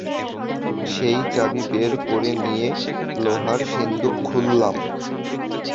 সেই চাবি বের করে নিয়ে লোহার সিন্দুক খুললুম।